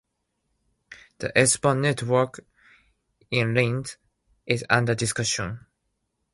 The S-Bahn network in Linz is under discussion.